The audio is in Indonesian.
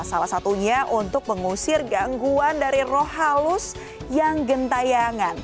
salah satunya untuk mengusir gangguan dari roh halus yang gentayangan